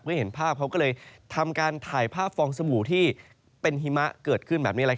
เห็นภาพเขาก็เลยทำการถ่ายภาพฟองสบู่ที่เป็นหิมะเกิดขึ้นแบบนี้